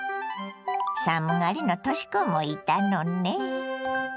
寒がりのとし子もいたのね。